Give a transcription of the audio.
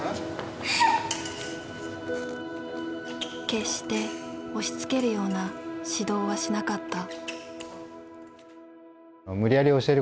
決して押しつけるような指導はしなかった。